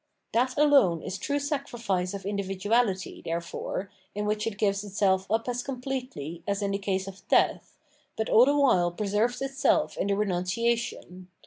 That alone is true sacrifice of individuahty, therefore, in which it gives itself up as completely as in the case of death, but all the: while preserves itself in the renunciation.